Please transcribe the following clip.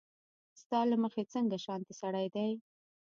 ستا له مخې څنګه شانتې سړی دی